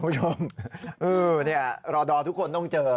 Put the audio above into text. คุณผู้ชมรอดอทุกคนต้องเจอ